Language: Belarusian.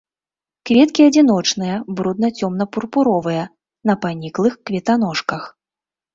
Кветкі адзіночныя, брудна-цёмна-пурпуровыя, на паніклых кветаножках.